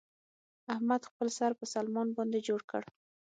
احمد خپل سر په سلمان باندې جوړ کړ.